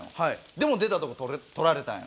でも出たとこ撮られたんよ。